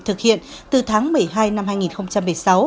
thực hiện từ tháng một mươi hai năm hai nghìn một mươi sáu